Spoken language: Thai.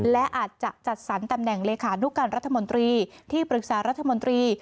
และอาจจะจัดสรรตำแหน่งเลขานุการรัฐมนตรีที่ปรึกษารัฐมนตรี